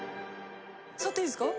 触っていいですか？